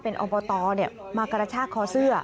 เป็นอบตมากระชากคอเสื้อ